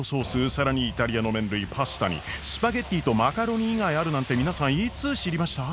更にイタリアの麺類パスタにスパゲッティとマカロニ以外あるなんて皆さんいつ知りました？